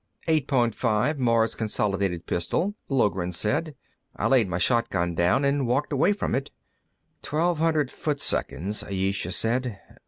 "Eight point five Mars Consolidated pistol," Loughran said. "I'd laid my shotgun down and walked away from it " "Twelve hundred foot seconds," Ayesha said.